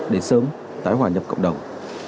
để sớm tái hòa nhập cộng đồng